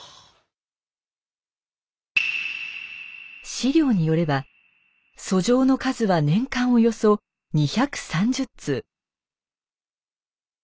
史料によれば訴状の数は年間およそ２３０通。